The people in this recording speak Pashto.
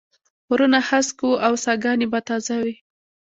غرونه هسک و او ساګاني به تازه وې